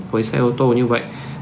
với xe ô tô như vậy